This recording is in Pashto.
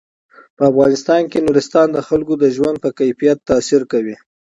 په افغانستان کې نورستان د خلکو د ژوند په کیفیت تاثیر کوي.